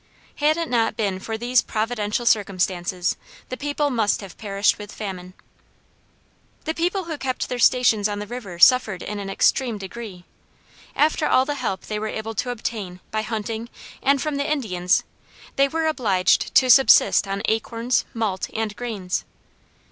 Had it not been for these providential circumstances, the people must have perished with famine. "The people who kept their stations on the river suffered in an extreme degree. After all the help they were able to obtain, by hunting, and from the Indians, they were obliged to subsist on acorns, malt, and grains.